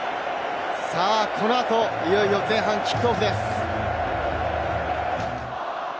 この後、いよいよ前半キックオフです。